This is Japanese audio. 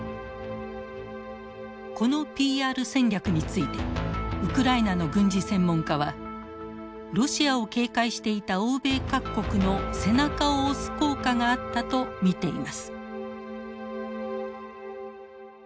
このＰＲ戦略についてウクライナの軍事専門家はロシアを警戒していた欧米各国の背中を押す効果があったと見ています。